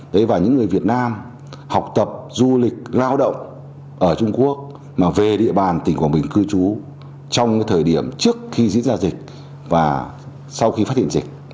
đấy và những người việt nam học tập du lịch lao động ở trung quốc mà về địa bàn tỉnh quảng bình cư trú trong cái thời điểm trước khi diễn ra dịch và sau khi phát hiện dịch